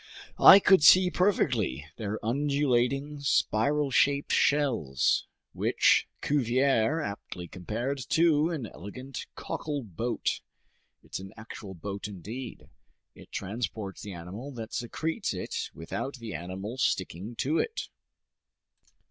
I could see perfectly their undulating, spiral shaped shells, which Cuvier aptly compared to an elegant cockleboat. It's an actual boat indeed. It transports the animal that secretes it without the animal sticking to it.